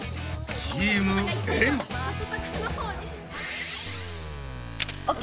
チームエん！ＯＫ！